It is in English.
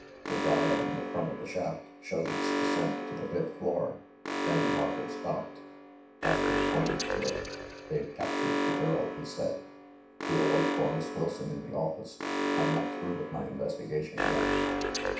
The dial in the front of the shaft showed its descent to the fifth floor ; then the marker stopped. Astro pointed to it. "They've captured the girl," THE MIDDLEBURY MURDER 395 he said. "We'll wait for Miss Wilson in tKe office ; I'm not through with my investigation yet."